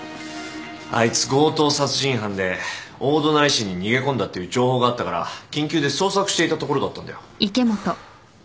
あいつ強盗殺人犯で大隣市に逃げ込んだっていう情報があったから緊急で捜索していたところだったんだよ。